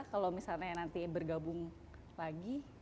kalau misalnya nanti bergabung lagi